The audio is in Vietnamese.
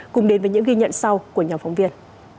cùng đến với những ghi nhận sau của nhóm phóng viên